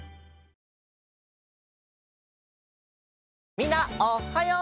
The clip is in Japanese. みんなおはよう！